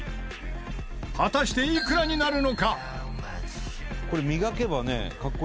果たしていくらになるのか？